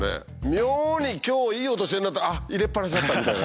妙に今日いい音してるなってあっ入れっぱなしだったみたいな。